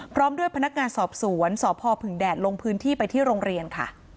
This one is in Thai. พร้อมด้วยพนักงานสอบสวนสพพึ่งแดดลงพื้นที่ไปที่โรงเรียนค่ะ